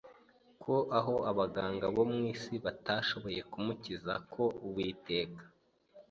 ko aho abaganga bo mu isi batashoboye kumukiza ko uwiteka